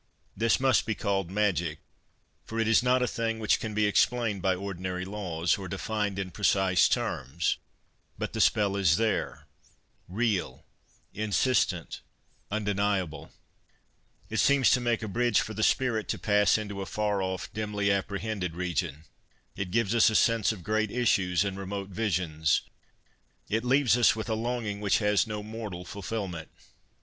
This must be called magic, for it is not a thing which can be explained by ordinary laws, or defined in precise terms ; but the spell is there, real, insistent, un deniable ; it seems to make a bridge for the spirit to pass into a far off, dimly apprehended region ; it gives us a sense of great issues and remote visions ; it leaves us with a longing which has no mortal fulfilment."